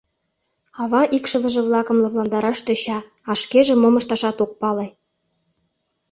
— ава икшывыже-влакым лыпландараш тӧча, а шкеже мом ышташат ок пале.